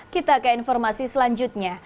kita ke informasi selanjutnya